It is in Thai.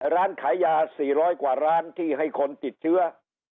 ร้านขายยา๔๐๐กว่าร้านที่ให้คนติดเชื้อ